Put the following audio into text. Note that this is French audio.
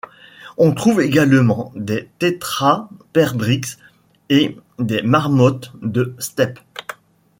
On trouve également des tétras, perdrix, et des marmottes de steppes.